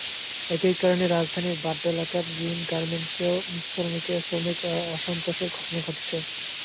একই কারণে রাজধানীর বাড্ডা এলাকার রিন গার্মেন্টসেও শ্রমিক অসন্তোষের ঘটনা ঘটেছে।